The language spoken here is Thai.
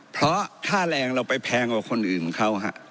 เพราะค่าแรงเราไปแพงกว่าคนอื่นเขา